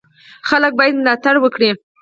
خلک باید ملاتړ وکړي.